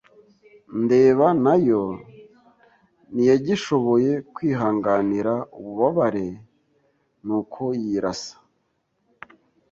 ndeba nayo ntiyagishoboye kwihanganira ububabare nuko yirasa.